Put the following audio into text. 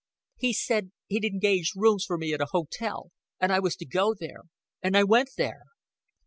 "He said he'd engaged rooms for me at an hotel, and I was to go there; and I went there."